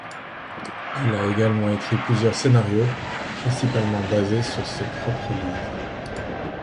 Il a également écrit plusieurs scénarios principalement basées sur ses propres livres.